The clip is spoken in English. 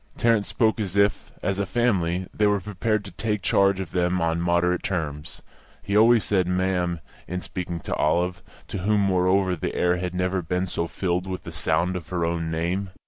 Tarrant spoke as if, as a family, they were prepared to take charge of them on moderate terms. He always said "ma'am" in speaking to Olive, to whom, moreover, the air had never been so filled with the sound of her own name.